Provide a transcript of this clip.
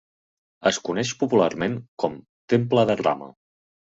Es coneix popularment com 'temple de Rama'.